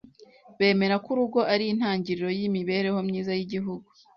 bemera ko urugo ari intangiriro y’imibereho myiza y’Igihugu